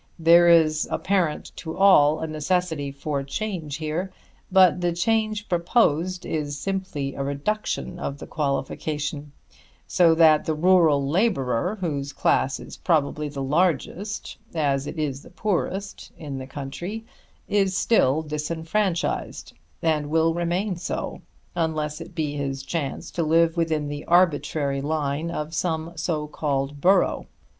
There is, apparent to all, a necessity for change here; but the change proposed is simply a reduction of the qualification, so that the rural labourer, whose class is probably the largest, as it is the poorest, in the country, is still disfranchised, and will remain so, unless it be his chance to live within the arbitrary line of some so called borough.